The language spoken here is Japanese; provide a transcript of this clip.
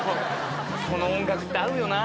この音楽って合うよな。